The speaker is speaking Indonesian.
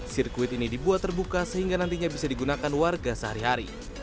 sirkuit ini dibuat terbuka sehingga nantinya bisa digunakan warga sehari hari